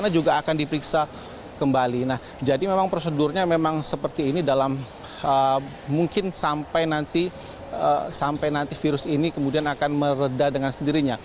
jadi memang prosedurnya memang seperti ini dalam mungkin sampai nanti virus ini kemudian akan meredah dengan sendirinya